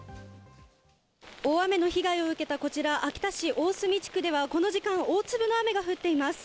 大雨の被害を受けた、こちら秋田市大住地区ではこの時間、大粒の雨が降っています。